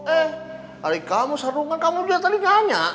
eh hari kamu sardung kan kamu udah tadi nanya